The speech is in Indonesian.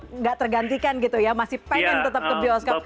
tidak tergantikan gitu ya masih ingin tetap ke bioskop